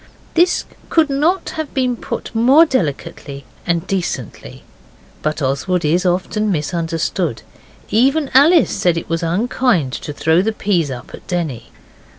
This could not have been put more delicately and decently. But Oswald is often misunderstood. Even Alice said it was unkind to throw the peas up at Denny.